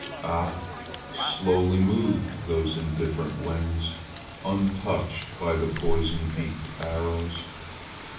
Ah! slowly moved those indifferent wings, untouched by the poison beaked arrows.